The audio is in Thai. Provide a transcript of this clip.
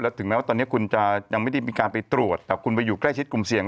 ถึงแม้ว่าตอนนี้คุณจะยังไม่ได้มีการไปตรวจแต่คุณไปอยู่ใกล้ชิดกลุ่มเสี่ยง